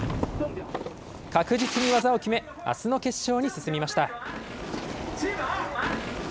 確実に技を決め、あすの決勝に進みました。